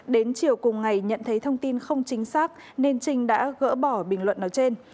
đến chiều cùng ngày nhận thấy thông tin không chính xác nên trinh đã gỡ bỏ bình luận nói trên